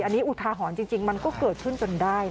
อันนี้อุทาหรณ์จริงมันก็เกิดขึ้นจนได้